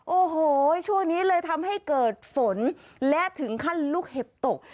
โอ้โหช่วงนี้เลยทำให้เกิดฝนและถึงขั้นลูกเห็บตก